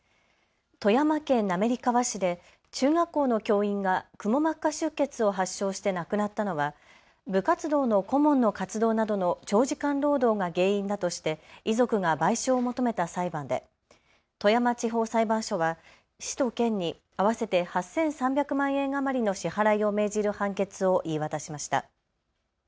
富山県滑川市で中学校の教員がくも膜下出血を発症して亡くなったのは部活動の顧問の活動などの長時間労働が原因だとして遺族が賠償を求めた裁判で富山地方裁判所は市と県に合わせて８３００万円余りの支払いを命じる判決を言い渡しました。